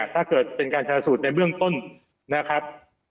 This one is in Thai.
ถ้าเกิดเป็นการชนะสูตรในเบื้องต้นนะครับ